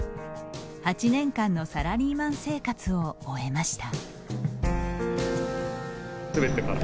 ８年間のサラリーマン生活を終えました。